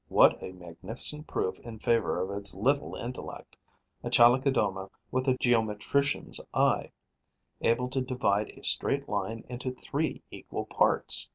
What a magnificent proof in favour of its little intellect: a Chalicodoma with a geometrician's eye, able to divide a straight line into three equal parts!